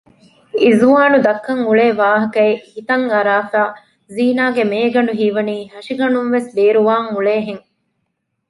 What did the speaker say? އިޒުވާނު ދައްކަން އުޅޭ ވާހަކައެއް ހިތަން އަރާފައި ޒީނާގެ މޭގަނޑު ހީވަނީ ހަށިގަނޑުންވެސް ބޭރުވާން އުޅޭހެން